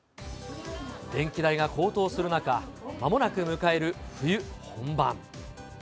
電気代が高騰する中、まもなく迎える冬本番。